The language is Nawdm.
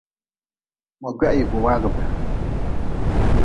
Mogwahiigu waagʼbe.